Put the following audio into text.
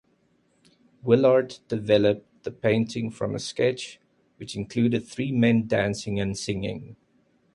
Willard developed the painting from a sketch, which included three men dancing and singing.